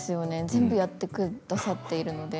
全部やってくださっているので。